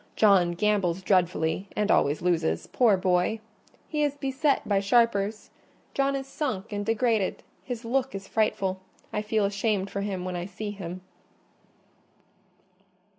John gambles dreadfully, and always loses—poor boy! He is beset by sharpers: John is sunk and degraded—his look is frightful—I feel ashamed for him when I see him."